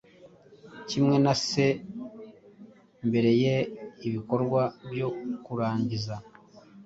Kimwe na se mbere ye ibikorwa- byo kurangiza